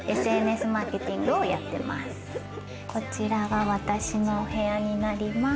こちらが私のお部屋になります。